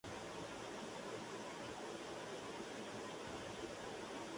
Boomer se asemeja a una bomba con alas.